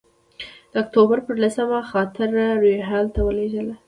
د اکتوبر پر لسمه خاطره روهیال ته ولېږله.